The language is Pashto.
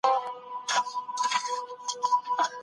اطاعت د بریالیتوب اصلي کیلي ده.